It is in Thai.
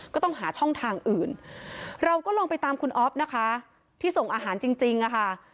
ก็ต้องหาช่องทางอื่นเราก็ลองไปตามคุณอ๊อฟนะคะที่ส่งอาหารจริงอะค่ะ